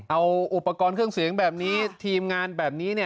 เอาอุปกรณ์เครื่องเสียงแบบนี้ทีมงานแบบนี้